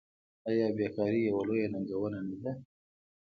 آیا بیکاري یوه لویه ننګونه نه ده؟